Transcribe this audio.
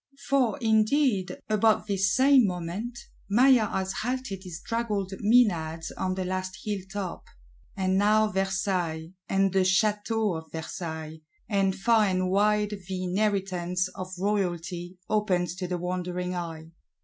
For, indeed, about this same moment, Maillard has halted his draggled Menads on the last hill top; and now Versailles, and the Château of Versailles, and far and wide the inheritance of Royalty opens to the wondering eye.